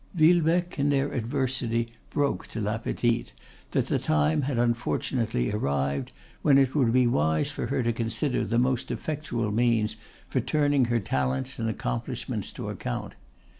Villebecque in their adversity broke to La Petite, that the time had unfortunately arrived when it would be wise for her to consider the most effectual means for turning her talents and accomplishments to account.